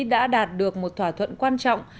đã đạt được một thỏa thuận quan trọng